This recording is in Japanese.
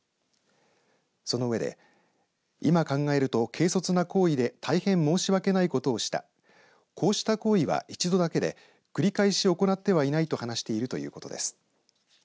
その上で今考えると軽率な行為で大変申し訳ないことをしたこうした行為は一度だけで繰り返し行ってはいないと話しているということです。